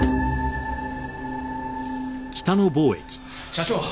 社長！